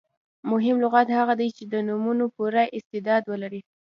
مهم لغت هغه دئ، چي د نومونو پوره استعداد ولري.